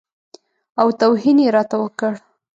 او توهین یې راته وکړ.